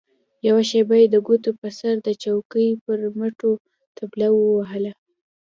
يوه شېبه يې د ګوتو په سر د چوکۍ پر مټو طبله ووهله.